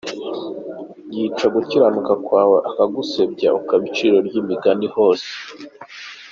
Yica gukiranuka kwawe, akagusebya, ukaba iciro ry’umugani hose.